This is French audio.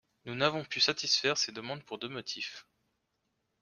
Nous n’avons pu satisfaire ces demandes pour deux motifs.